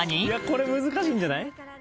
・これ難しいんじゃない？